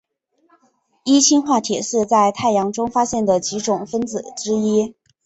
一氢化铁是在太阳中发现的几种分子之一。